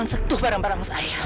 jangan ketuk bareng bareng indonesia